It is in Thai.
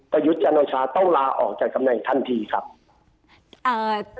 ประยุทธ์จันทราชาต้องลาออกจากกำไรทันทีครับ